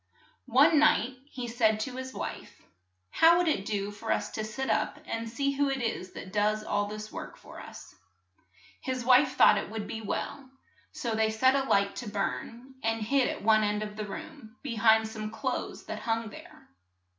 One night he said to his wife, "How would it do for us to sit up and see who it is that does all this work for us ?" His wife thought it would be well, so they set a light to burn, and hid at one end of the room, be hind some clothes that hung there.